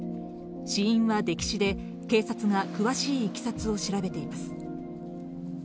死因は溺死で、警察が詳しいいきさつを調べています。